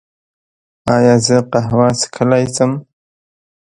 ایا زه قهوه څښلی شم؟